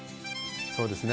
そうですね。